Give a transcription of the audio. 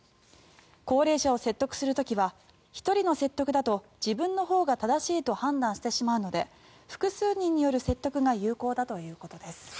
高齢者を説得する時は１人の説得だと自分のほうが正しいと判断してしまうので複数人による説得が有効だということです。